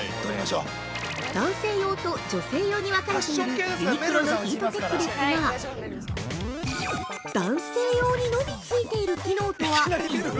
男性用と女性用に分かれているユニクロのヒートテックですが、男性用にのみついている機能とは一体？